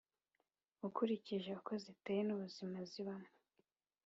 Ukurikije uko ziteye n’ubuzima zibamo,